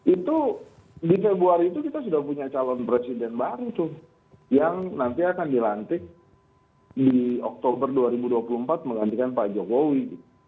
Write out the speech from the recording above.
itu di februari itu kita sudah punya calon presiden baru tuh yang nanti akan dilantik di oktober dua ribu dua puluh empat menggantikan pak jokowi